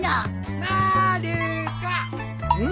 まる子っ。